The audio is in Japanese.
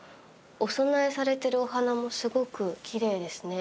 お供えされてるお花もすごくきれいですね。